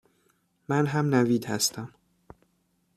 من هم نوید هستم